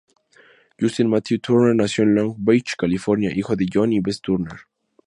Justin Matthew Turner nació en Long Beach, California, hijo de John y Betsy Turner.